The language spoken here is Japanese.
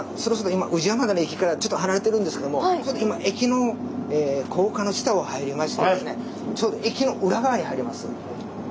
今宇治山田の駅から離れてるんですけども今駅の高架の下を入りましてちょうど駅の裏側に入ります。